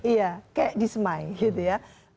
iya kayak disemai gitu ya